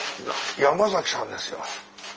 山さんですよ。